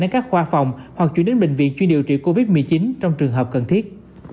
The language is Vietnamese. đến các khoa phòng hoặc chuyển đến bệnh viện chuyên điều trị covid một mươi chín trong trường hợp cần thiết